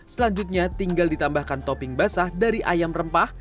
selanjutnya tinggal ditambahkan topping basah dari ayam rempah